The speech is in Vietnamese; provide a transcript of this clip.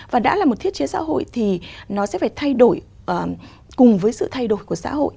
và đã là một thiết chế xã hội thì nó sẽ phải thay đổi cùng với sự thay đổi của xã hội